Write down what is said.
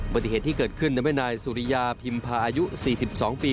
ปฏิเหตุที่เกิดขึ้นทำให้นายสุริยาพิมพาอายุ๔๒ปี